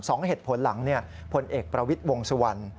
สองเหตุผลหลังพลเอกประวิทย์วงสุวรรณ